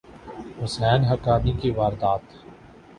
حسین حقانی کی واردات